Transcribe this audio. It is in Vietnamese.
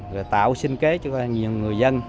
rồi tạo sinh kế cho nhiều người dân